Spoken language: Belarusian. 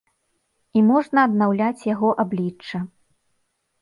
І можна аднаўляць яго аблічча.